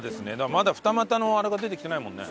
まだ二股のあれが出てきてないもんね。